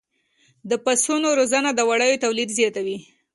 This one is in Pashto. د پسونو روزنه د وړیو تولید زیاتوي.